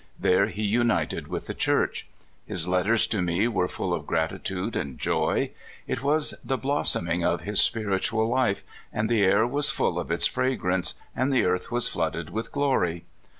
There he united with the Church. His letters to me were full of gratitude and joy. It was the blossoming of his spiritual life, and the air was full of its fragrance, and the earth was Hooded with glory.